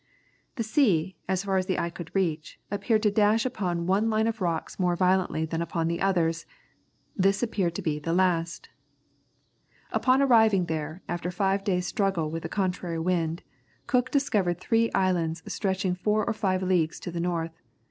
The sea, as far as the eye could reach, appeared to dash upon one line of rocks more violently than upon the others; this appeared to be the last. Upon arriving there, after five days' struggle with a contrary wind, Cook discovered three islands stretching four or five leagues to the north.